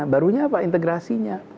barunya apa integrasinya